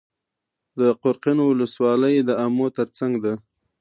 د قرقین ولسوالۍ د امو تر څنګ ده